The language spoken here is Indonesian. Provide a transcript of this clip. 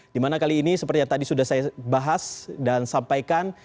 dimana kali ini seperti yang tadi sudah saya bahas dan sampaikan